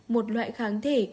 một loại kháng thể